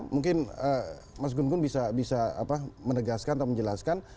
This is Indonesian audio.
mungkin mas gun gun bisa menegaskan atau menjelaskan